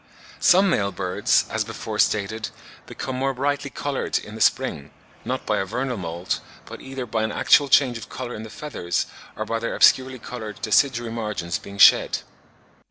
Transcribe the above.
Some male birds, as before stated, become more brightly coloured in the spring, not by a vernal moult, but either by an actual change of colour in the feathers, or by their obscurely coloured deciduary margins being shed.